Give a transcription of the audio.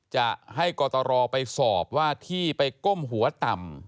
จะให้กตรไปสอบว่าที่ไปก้มหัวต่ำ